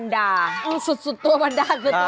โดยมีร้อนส